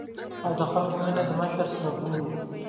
او د خلکو مينه د مشر سره ګورو ـ